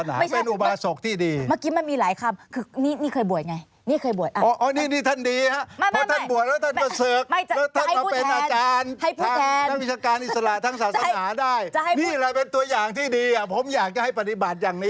อ๋ออย่างนี้เลยครับ